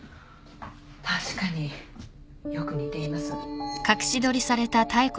確かによく似ています。